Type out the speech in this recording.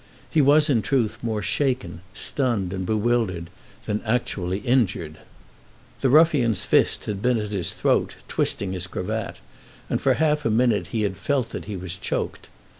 He was in truth more shaken, stunned, and bewildered than actually injured. The ruffian's fist had been at his throat, twisting his cravat, and for half a minute he had felt that he was choked.